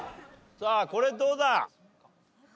さあこれどうだ？